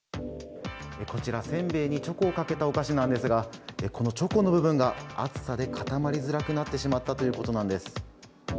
こちら、せんべいにチョコをかけたお菓子なんですがこのチョコの部分が暑さで固まりづらくなってしまったということなんです。